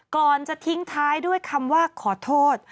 ก่อนจะทิ้งท้ายด้วยคำว่าขอโทษ